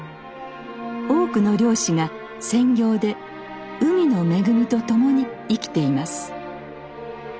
多くの漁師が専業で海の恵みと共に生きています。